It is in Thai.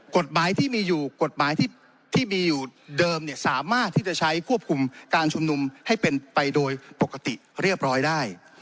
กฎหมายที่มีอยู่กฎหมายที่มีอยู่เดิมเนี่ยสามารถที่จะใช้ควบคุมการชุมนุมให้เป็นไปโดยปกติเรียบร้อยได้